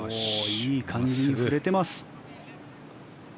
いい感じに振れてます。